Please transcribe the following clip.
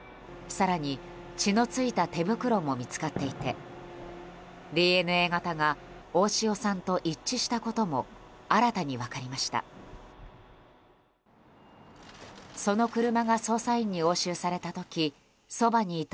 更に血の付いた手袋も見つかっていてＤＮＡ型が大塩さんと一致したことも新たに分かりました。